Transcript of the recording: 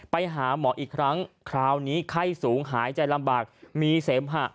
ไปหาหมออีกครั้งคราวนี้ไข้สูงหายใจลำบากมีเสมหะ